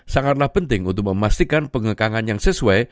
sangatlah penting untuk memastikan pengekangan yang sesuai